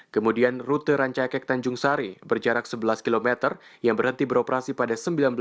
kemudian rute rancaikek tanjung sari berjarak sebelas km yang berhenti beroperasi pada seribu sembilan ratus sembilan puluh